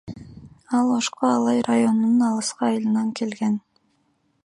Ал Ошко Алай районунун алыскы айылынан келген.